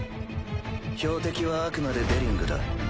標的はあくまでデリングだ。